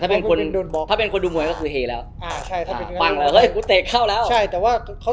แต่ถ้าเป็นคนดูมวยก็คือเฮแล้ว